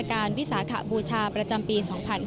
วิสาขบูชาประจำปี๒๕๕๙